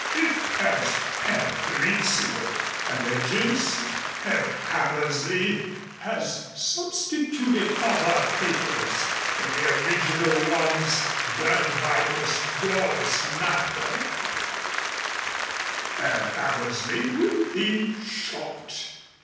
If, as Herr Rizzio alleges, Herr Hammersley has substituted other papers for the original ones burned by Miss Doris Mather, Herr Hammersley will be shot.